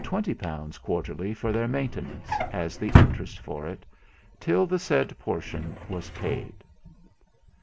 _ quarterly for their maintenance, as the interest for it, till the said portion was paid.